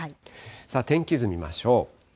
天気図見ましょう。